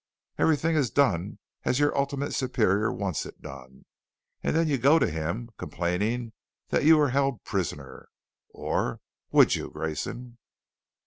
Everything is done as your ultimate superior wants it done, and then you go to him complaining that you were held prisoner. Or would you, Grayson?"